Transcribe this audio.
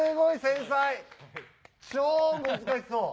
超難しそう。